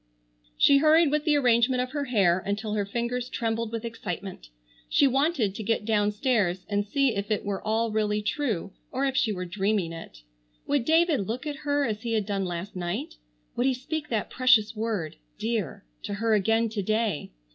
She hurried with the arrangement of her hair until her fingers trembled with excitement. She wanted to get downstairs and see if it were all really true or if she were dreaming it. Would David look at her as he had done last night? Would he speak that precious word "dear" to her again to day?